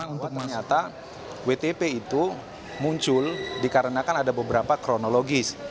untuk menyata wtp itu muncul dikarenakan ada beberapa kronologis